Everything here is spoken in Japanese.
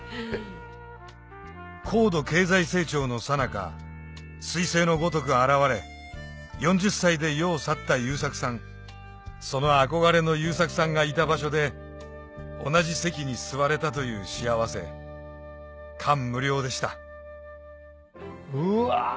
高度経済成長のさなか彗星のごとく現れ４０歳で世を去った優作さんその憧れの優作さんがいた場所で同じ席に座れたという幸せ感無量でしたうわ！